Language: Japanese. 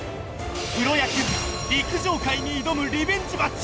プロ野球が陸上界に挑むリベンジマッチ！